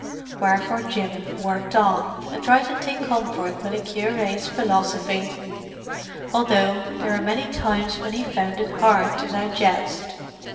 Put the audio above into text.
Wherefore Jim worked on, and tried to take comfort by the cure's philosophy; although there were many times when he found it hard to digest.